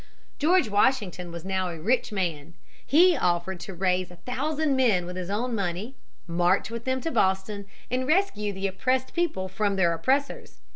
George Washington was now a rich man. He offered to raise a thousand men with his own money, march with them to Boston, and rescue the oppressed people from their oppressors.